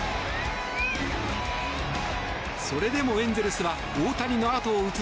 それでもエンゼルスは大谷のあとを打つ